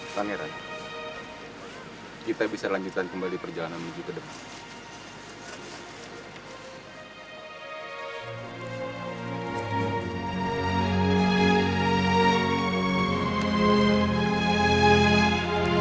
tangeran kita bisa lanjutkan kembali perjalanan menuju kedemang